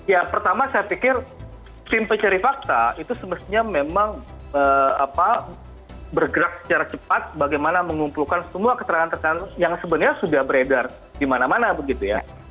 ya pertama saya pikir tim pencari fakta itu semestinya memang bergerak secara cepat bagaimana mengumpulkan semua keterangan keterangan yang sebenarnya sudah beredar di mana mana begitu ya